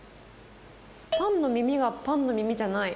パンの耳がパンの耳じゃない。